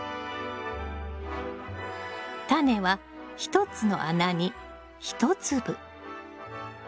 タネは１つの穴に１粒。